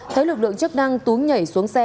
thấy lực lượng chức năng tú nhảy xuống xe